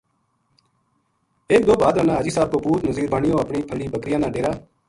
ایک دو بھادرا نا حاجی صاحب کو پُوت نزیر نانیو اپنی پھرڑی بکریاں نا ڈیرا